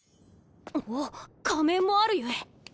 おぉ仮面もあるゆえ。